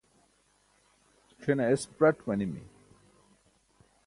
c̣ʰen es praṭ eetimi